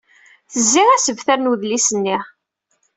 Tezzi asebter n wedlis-nni.